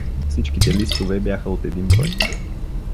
Всичките листове бяха от един брой.